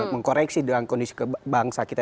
mengkoreksi dengan kondisi bangsa kita